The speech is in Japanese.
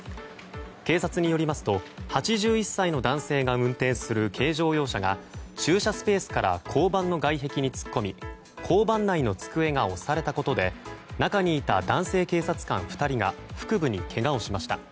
警察によりますと８１歳の男性が運転する軽乗用車が駐車スペースから交番の外壁に突っ込み交番内の机が押されたことで中にいた男性警察官２人が腹部にけがをしました。